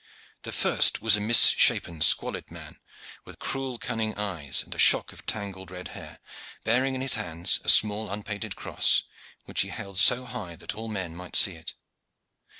The first was a misshapen, squalid man with cruel, cunning eyes and a shock of tangled red hair, bearing in his hands a small unpainted cross, which he held high so that all men might see it.